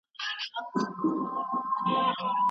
استازي چیري د پوهني حق غوښتنه کوي؟